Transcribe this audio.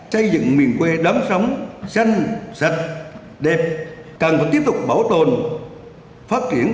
xây dựng miền quê đắm sống xanh sạch đẹp càng phải tiếp tục bảo tồn phát triển